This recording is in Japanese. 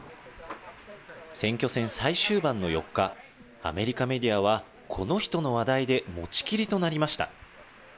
選挙戦最終盤の４日、アメリカメディアは、この人の話題で持ちきりとなりました。